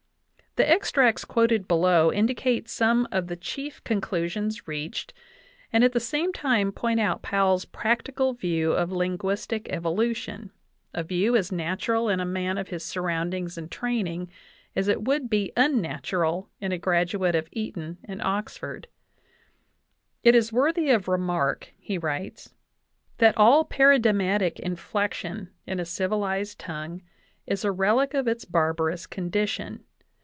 The extracts quoted below indicate some of the chief con clusions reached, and at the same time point out Powell's prac tical view of linguistic evolution a view as natural in a man of his surroundings and training as it would be unnatural in a graduate of Eton and Oxford. "It is worthy of remark," he writes, "that all paradigmatic inflection in a civilized tongue is a relic of its barbarous condition.